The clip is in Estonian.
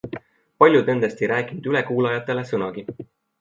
Paljud nendest ei rääkinud ülekuulajatele sõnagi.